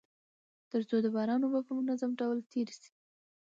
تر څو د باران اوبه په منظم ډول تيري سي.